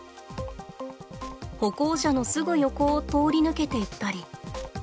歩行者のすぐ横を通り抜けていったり。